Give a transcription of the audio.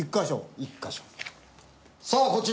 さあこちら。